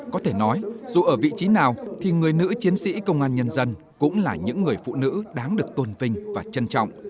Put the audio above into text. có thể nói dù ở vị trí nào thì người nữ chiến sĩ công an nhân dân cũng là những người phụ nữ đáng được tôn vinh và trân trọng